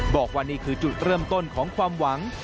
บอกว่านี่คือจุดเริ่มต้นของความหวัง